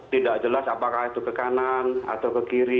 tidak jelas apakah itu ke kanan atau ke kiri